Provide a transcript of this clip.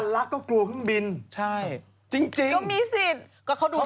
แล้วเครื่องก็สั่น